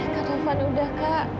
pak taufan udah kak